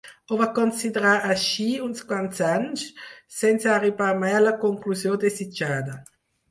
Ho van considerar així uns quants anys, sense arribar mai a la conclusió desitjada.